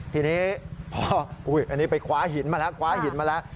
ทีนี้พออันนี้ไปคว้าหินมาแล้วคว้าหินมาแล้ว